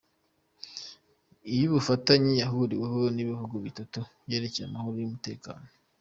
y‟ubufatanye ahuriweho n‟ibihugu bitatu yerekeye amahoro n‟umutekano